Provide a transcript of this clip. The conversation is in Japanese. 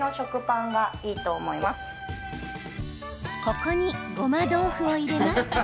ここに、ごま豆腐を入れます。